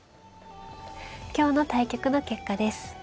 今日の対局の結果です。